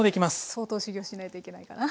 相当修業しないといけないかな。